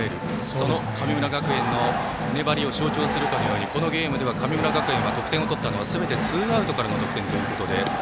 その神村学園の粘りを象徴するかのようにこのゲームでは神村学園は得点を取ったのはすべてツーアウトからの得点ということで。